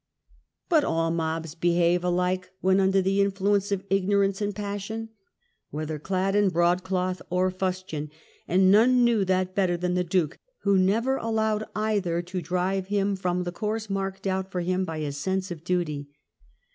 But all X HIS CHARACTER AS A POLITICIAN' 245 mobs behave alike when under the influence of ignorance and passion, whether clad in broadcloth or fustian ; and none knew that better than the Duke, who never allowed either to drive him from the course marked out for him by his sense of duty.